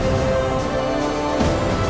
keturunan aku bukan hyped